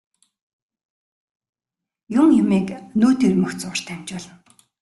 Юм юмыг нүд ирмэх зуурт амжуулна.